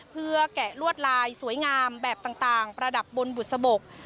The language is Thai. เพื่อแกะลวดลายสวยงามแบบต่างประดับบนบุษบก